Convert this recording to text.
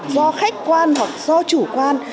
do khách quan hoặc do chủ quốc